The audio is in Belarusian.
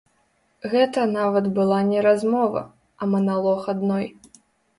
Гэта нават была не размова, а маналог адной.